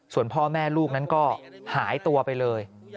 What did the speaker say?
ส่วนพ่อแม่ลูกนั้นก็หายตัวไปเลย